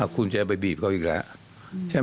คุณจะไปบีบเขาอีกแล้วใช่ไหม